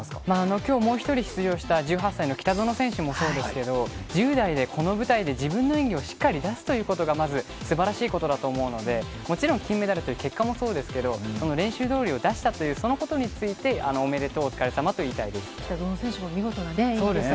今日もう１人出場した１８歳の北園選手もそうですが１０代でこの舞台で自分の演技をしっかり出すということが素晴らしいことだと思うのでもちろん金メダルという結果もそうですけど練習通りを出したというそのことについておめでとう、お疲れさまと言いたいですね。